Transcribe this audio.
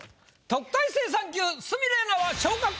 特待生３級鷲見玲奈は。